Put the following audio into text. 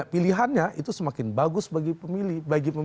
pilihannya itu semakin bagus bagi pemilih